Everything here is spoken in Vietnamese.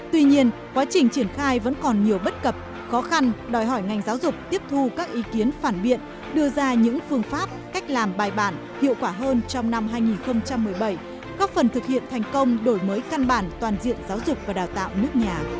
tuy nhiên quá trình triển khai vẫn còn nhiều bất cập khó khăn đòi hỏi ngành giáo dục tiếp thu các ý kiến phản biện đưa ra những phương pháp cách làm bài bản hiệu quả hơn trong năm hai nghìn một mươi bảy góp phần thực hiện thành công đổi mới căn bản toàn diện giáo dục và đào tạo nước nhà